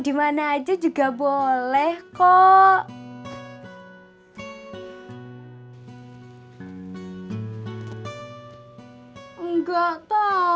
dimana aja juga boleh kok enggak tahu kakak sebentar ya kakak rika